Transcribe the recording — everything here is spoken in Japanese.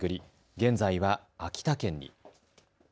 現在は秋田県に。